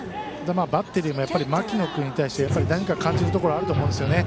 バッテリーも牧野君に対して何か感じるところあると思うんですよね。